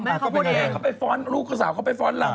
เขาพูดเองเขาไปฟ้อนลูกสาวเขาไปฟ้อนเรา